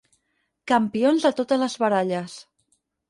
Campions a totes les baralles.